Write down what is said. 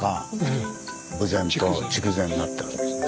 豊前と筑前になってるわけですね。